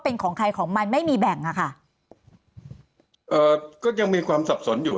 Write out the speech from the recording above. เป็นของใครของมันไม่มีแบ่งอ่ะค่ะเอ่อก็ยังมีความสับสนอยู่